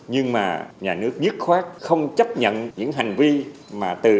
nhưng mà nhà nước dứt khoát không chấp nhận những hành vi mà từ